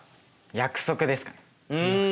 約束ですかね。